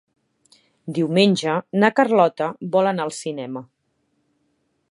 Diumenge na Carlota vol anar al cinema.